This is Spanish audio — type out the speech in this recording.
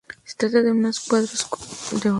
Se trata de una de las cuatro catedrales de Auvernia.